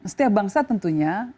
setiap bangsa tentunya